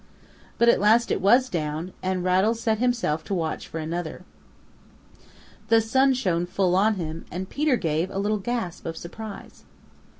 But at last it was down, and Rattles set himself to watch for another. The sun shone full on him, and Peter gave a little gasp of surprise.